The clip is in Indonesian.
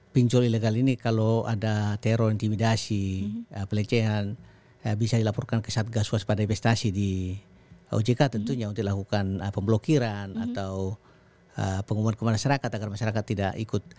pinjol ilegal ini kalau ada teror intimidasi pelecehan bisa dilaporkan ke satgas waspada investasi di ojk tentunya untuk dilakukan pemblokiran atau pengumuman ke masyarakat agar masyarakat tidak ikut